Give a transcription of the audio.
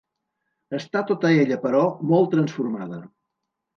Està tota ella, però, molt transformada.